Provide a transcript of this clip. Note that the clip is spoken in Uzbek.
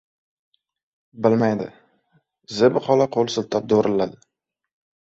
— Bilmaydi! — Zebi xola qo’l siltab do‘rilladi. —